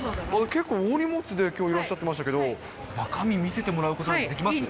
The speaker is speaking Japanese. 結構、大荷物で、きょう、いらっしゃってましたけど、中身見せてもらうことってできます？